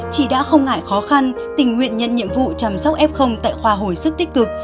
chị đã không ngại khó khăn tình nguyện nhận nhiệm vụ chăm sóc f tại khoa hồi sức tích cực